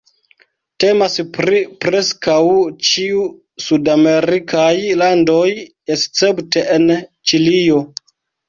Temas pri preskaŭ ĉiu sudamerikaj landoj escepte en Ĉilio.